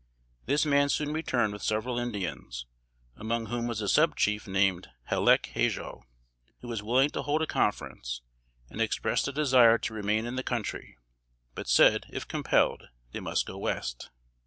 This man soon returned with several Indians, among whom was a sub chief named "Hallec Hajo," who was willing to hold a conference, and expressed a desire to remain in the country; but said, if compelled, they must go West.